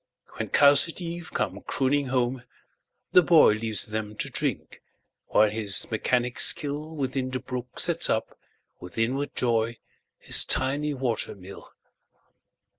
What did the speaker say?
When cows at eve come crooning home, the boyLeaves them to drink, while his mechanic skillWithin the brook sets up, with inward joy, His tiny water mill.